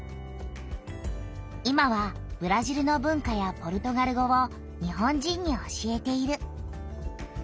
今はブラジルの文化やポルトガル語を日本人に教えている。